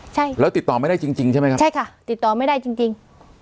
ใช่แล้วติดต่อไม่ได้จริงจริงใช่ไหมครับใช่ค่ะติดต่อไม่ได้จริงจริง